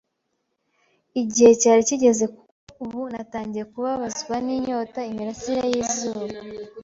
Igihe cyari kigeze, kuko ubu natangiye kubabazwa ninyota. Imirasire y'izuba